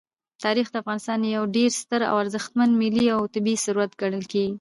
تاریخ د افغانستان یو ډېر ستر او ارزښتمن ملي او طبعي ثروت ګڼل کېږي.